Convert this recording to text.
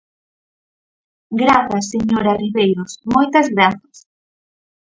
Grazas, señora Ribeiros, moitas grazas.